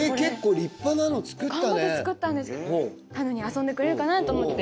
頑張って作ったんですけどたぬに遊んでくれるかなと思って。